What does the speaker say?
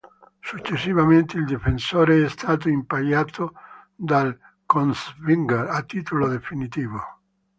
Successivamente, il difensore è stato ingaggiato dal Kongsvinger a titolo definitivo.